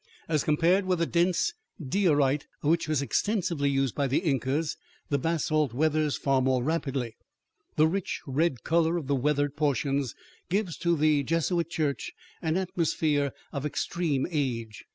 As compared with the dense diorite which was extensively used by the Incas, the basalt weathers far more rapidly. The rich red color of the weathered portions gives to the Jesuit Church an atmosphere of extreme age.